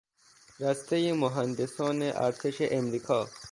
رستهی مهندسان ارتش امریکا